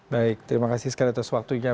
baik terima kasih sekali atas waktunya